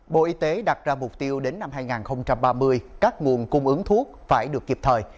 bộ y tế đặt ra mục tiêu đến năm hai nghìn ba mươi các nguồn cung ứng thuốc phải được kịp thời